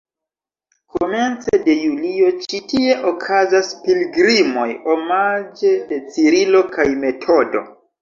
Komence de julio ĉi tie okazas pilgrimoj omaĝe de Cirilo kaj Metodo.